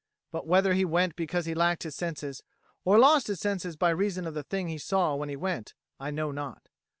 But whether he went because he lacked his senses, or lost his senses by reason of the thing he saw when he went, I know not.